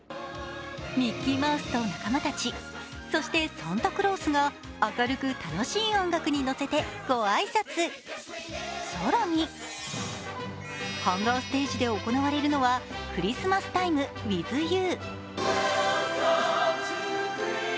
ミッキーマウスと仲間たち、そしてサンタクロースが明るく楽しい音楽に乗せてご挨拶、更にハンガーステージで行われるのはクリスマスタイム・ウィズ・ユー。